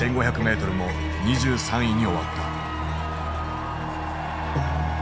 １，５００ｍも２３位に終わった。